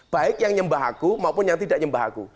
baik yang nyembah aku maupun yang tidak nyembah aku